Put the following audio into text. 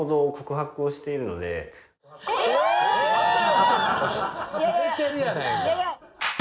えーっ！されてるやないか。